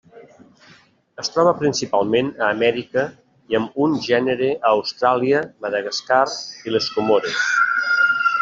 Es troba principalment a Amèrica i amb un gènere a Austràlia, Madagascar i les Comores.